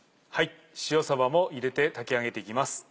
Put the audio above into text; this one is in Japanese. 塩さばも入れて炊き上げていきます。